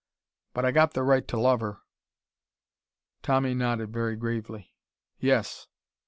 But I got the right to love her." Tommy nodded very gravely. "Yes.